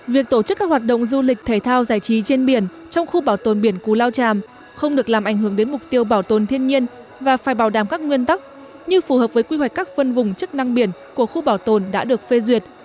việc tổ chức các hoạt động du lịch thể thao giải trí trên biển trong khu bảo tồn biển cù lao tràm không được làm ảnh hưởng đến mục tiêu bảo tồn thiên nhiên và phải bảo đảm các nguyên tắc như phù hợp với quy hoạch các phân vùng chức năng biển của khu bảo tồn đã được phê duyệt